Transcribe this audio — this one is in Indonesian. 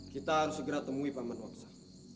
kita harus segera temui paman waktu